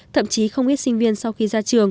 thậm chí không ít sinh viên sau khi ra trường